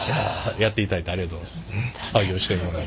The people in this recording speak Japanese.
やっていただいてありがとうございます。